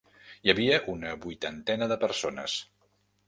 Hi havia una vuitantena de persones.